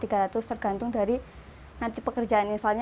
tergantung dari nanti pekerjaan infalnya